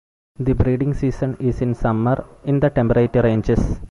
The breeding season is in summer in the temperate ranges.